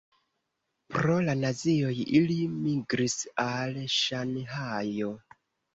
Pro la nazioj ili migris al Ŝanhajo.